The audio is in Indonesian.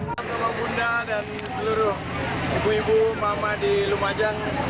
bapak bunda dan seluruh ibu ibu mama di lumajang